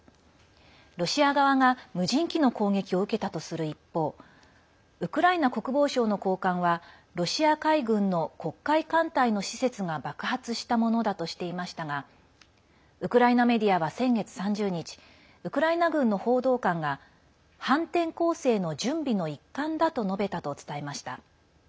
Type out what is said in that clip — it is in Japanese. ロシア側が無人機の攻撃を受けたとする一方ウクライナ国防省の高官はロシア海軍の黒海艦隊の施設が爆発したものだとしていましたがウクライナメディアは先月３０日ウクライナ軍の報道官が反転攻勢の準備の一環だと述べたと伝えました。